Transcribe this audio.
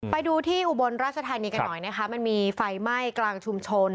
ไปดูที่อุบลราชธานีกันหน่อยนะคะมันมีไฟไหม้กลางชุมชน